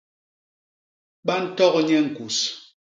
Ba ntok nye ñkus.